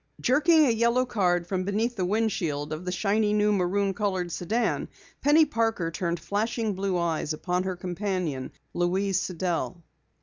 Jerking a yellow card from beneath the windshield of the shiny new maroon colored sedan, Penny Parker turned flashing blue eyes upon her companion, Louise Sidell.